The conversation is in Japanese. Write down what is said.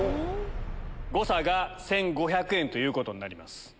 誤差が１５００円ということになります。